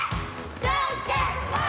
じゃんけんぽん！